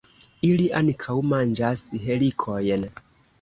Ili ankaŭ manĝas helikojn.